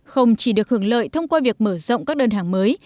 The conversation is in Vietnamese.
không chỉ được hưởng lợi thông qua việc mở rộng các đơn hàng mới